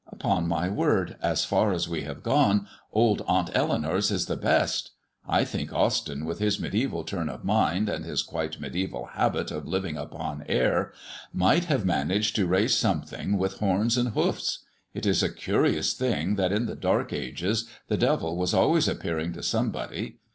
Upon my word, as far as we have gone, old Aunt Eleanour's is the best. I think Austyn, with his mediæval turn of mind and his quite mediæval habit of living upon air, might have managed to raise something with horns and hoofs. It is a curious thing that in the dark ages the devil was always appearing to somebody.